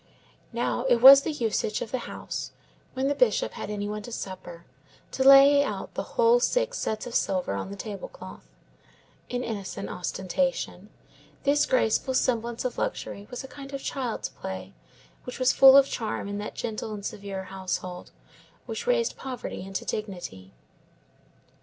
Now, it was the usage of the house, when the Bishop had any one to supper, to lay out the whole six sets of silver on the table cloth—an innocent ostentation. This graceful semblance of luxury was a kind of child's play, which was full of charm in that gentle and severe household, which raised poverty into dignity.